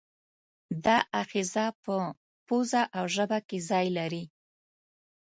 دا آخذه په پزه او ژبه کې ځای لري.